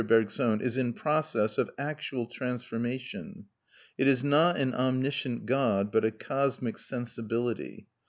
Bergson, is in process of actual transformation. It is not an omniscient God but a cosmic sensibility.